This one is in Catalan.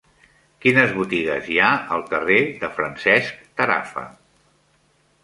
Quines botigues hi ha al carrer de Francesc Tarafa?